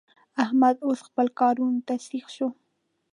احمد اوس خپلو کارو ته سيخ شو.